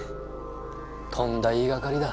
とんだ言いがかりだ。